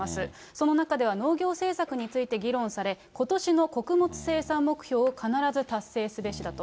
その中では農業政策について議論され、ことしの穀物生産目標を必ず達成すべしだと。